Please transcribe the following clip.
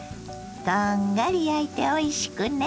こんがり焼いておいしくね。